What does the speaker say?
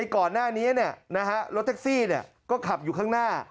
ก่อนหน้านี้รถแท็กซี่ก็ขับอยู่ข้างหน้า